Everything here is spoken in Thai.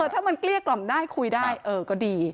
ถ้ามันเกลี้ยกล่อมได้คุยได้เออก็ดี